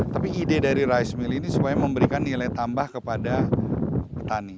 tapi ide dari rice mill ini supaya memberikan nilai tambah kepada petani